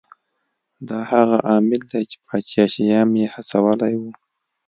دا هغه عامل دی چې پاچا شیام یې هڅولی و.